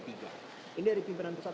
ini dari pimpinan pusat